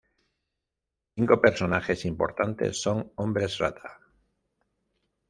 Cinco personajes importantes son hombres rata.